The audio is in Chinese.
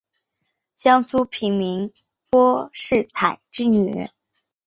江苏平民柏士彩之女。